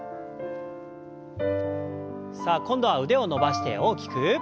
さあ今度は腕を伸ばして大きく。